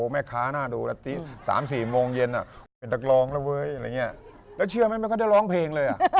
แล้วก็หมายเป็นนักร้องนะไปซื้อไอ้เสื้อนอกชุดหนึ่ง